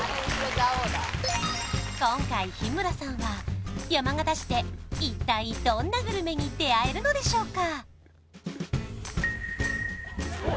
今回日村さんは山形市で一体どんなグルメに出会えるのでしょうか？